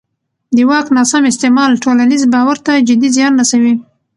د واک ناسم استعمال ټولنیز باور ته جدي زیان رسوي